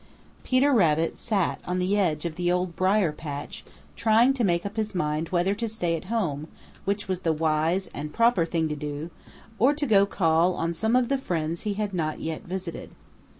Peter Rabbit sat on the edge of the Old Briar patch trying to make up his mind whether to stay at home, which was the wise and proper thing to do, or to go call on some of the friends he had not yet visited.